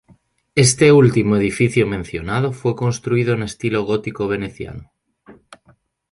Este último edificio mencionado fue construido en estilo gótico veneciano.